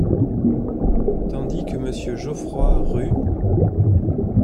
Tandis que Monsieur Geoffroy Ru…